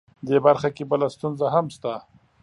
دې برخه کې بله ستونزه هم شته